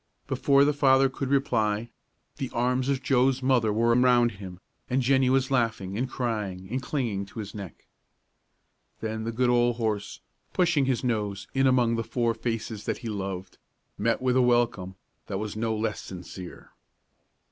Before the father could reply, the arms of Joe's mother were around him, and Jennie was laughing and crying and clinging to his neck. Then the good old horse, pushing his nose in among the four faces that he loved, met with a welcome that was no less sincere.